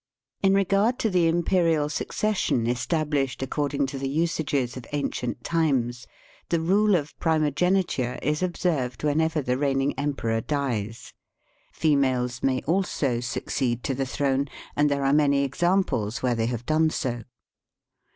In regard to the imperial succession estabhshed according to the usages of ancient times, the rule of primogeniture is observed whenever the reigning emperor dies. Females may also succeed to the throne, and there are many examples where they have done so.